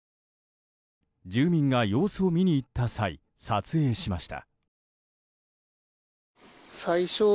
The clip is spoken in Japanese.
住民が様子を見に行った際撮影しました。